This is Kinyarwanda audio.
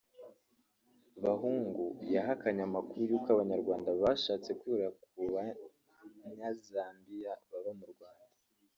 Buhungu yahakanye amakuru y’uko Abanyarwanda bashatse kwihorera ku banyazambiya baba mu Rwanda